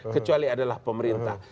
kecuali adalah pemerintah